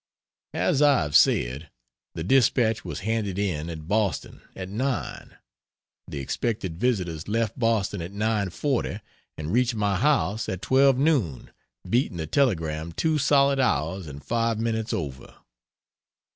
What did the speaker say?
As I have said, the dispatch was handed in at Boston at 9. The expected visitors left Boston at 9.40, and reached my house at 12 noon, beating the telegram 2 solid hours, and 5 minutes over.